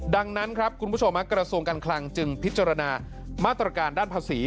ดังนั้นครับคุณผู้ชมกระทรวงการคลังจึงพิจารณามาตรการด้านภาษี